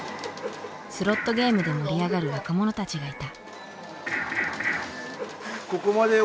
スロットゲームで盛り上がる若者たちがいた。